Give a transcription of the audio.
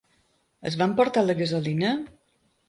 Es va emportar la gasolina?